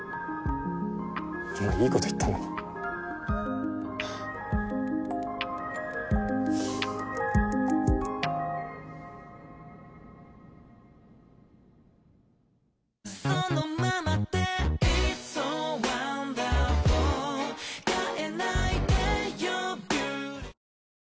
今いいこと言ったのにえ？